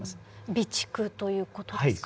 備蓄という事ですか？